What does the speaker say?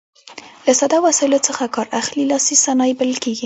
له ساده وسایلو څخه کار اخلي لاسي صنایع بلل کیږي.